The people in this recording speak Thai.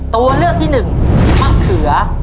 ตัวเลือกที่หนึ่งมะเขือ